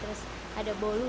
terus ada bolu